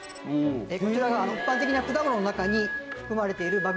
こちらが一般的な果物の中に含まれているマグネシウム。